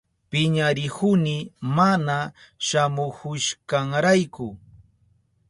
Piñarihuni mana shamuhushkanrayku.